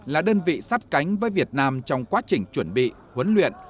là đơn vị sát cánh với việt nam trong quá trình chuẩn bị huấn luyện